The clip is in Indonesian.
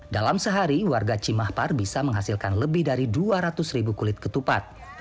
dalam sehari warga cimahpar bisa menghasilkan lebih dari dua ratus ribu kulit ketupat